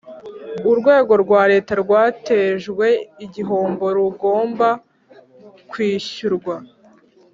urwego rwa Leta rwatejwe igihombo rugomba kwishyurwa